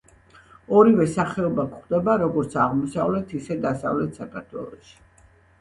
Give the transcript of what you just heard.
ორივე სახეობა გვხვდება როგორც აღმოსავლეთ, ისე დასავლეთ საქართველოში.